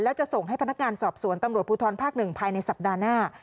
แล้วจะส่งให้พนักงานสอบสวนตำรวจภูทรภาค๑ภายในสัปดาห์หน้า